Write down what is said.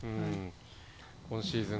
今シーズン